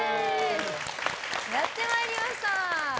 やってまいりました。